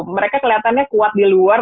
mereka kelihatannya kuat di luar